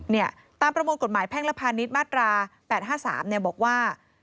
เนี่ยตามประมวลกฎหมายแพ่งและพาณิชย์มาตรา๘๕๓เนี่ยบอกว่า